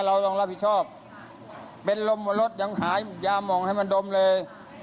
เราต้องรับผิดชอบเป็นลมบนรถยังหายยามองให้มันดมเลย